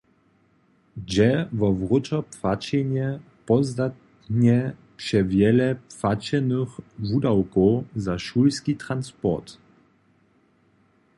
Dźe wo wróćopłaćenje pozdatnje přewjele płaćenych wudawkow za šulerski transport.